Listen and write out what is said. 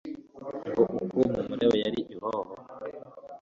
ngo uku mumureba yari ihoho